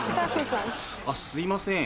すいません。